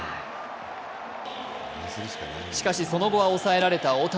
しかし、その後は抑えられた大谷。